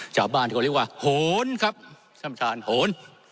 ชาวบ้านก็เรียกว่าโหนครับท่านประธานโหน